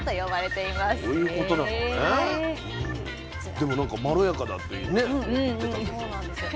でもなんかまろやかだってね言ってたけど。